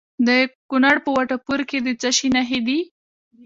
د کونړ په وټه پور کې د څه شي نښې دي؟